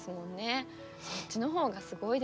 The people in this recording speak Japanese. そっちの方がすごいですよ。